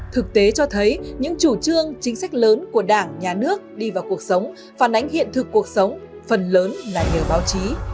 thực tế cho thấy những chủ trương chính sách lớn của đảng nhà nước đi vào cuộc sống phản ánh hiện thực cuộc sống phần lớn là nhờ báo chí